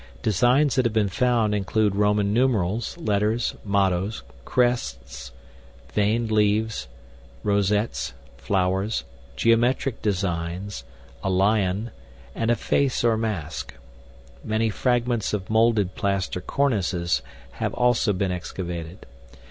Designs that have been found include Roman numerals, letters, mottos, crests, veined leaves, rosettes, flowers, geometric designs, a lion, and a face or mask. Many fragments of molded plaster cornices have also been excavated.